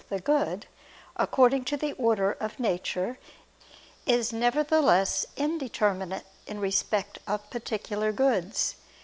the good, according to the order of nature, is nevertheless indeterminate in respect of particular goods.